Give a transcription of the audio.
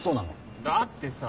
だってさあ。